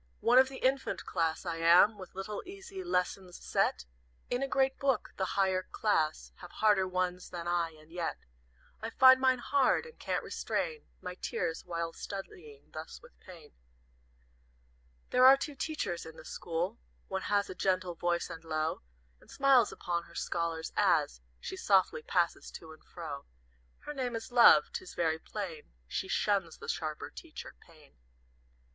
"One of the infant class I am With little, easy lessons, set In a great book; the higher class Have harder ones than I, and yet I find mine hard, and can't restrain My tears while studying thus with Pain. "There are two Teachers in the school, One has a gentle voice and low, And smiles upon her scholars, as She softly passes to and fro. Her name is Love; 'tis very plain She shuns the sharper teacher, Pain.